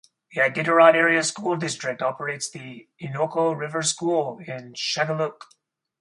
The Iditarod Area School District operates the Innoko River School in Shageluk.